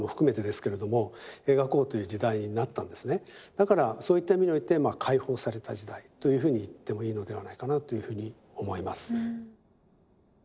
だからそういった意味において解放された時代というふうに言ってもいいのではないかなというふうに思います。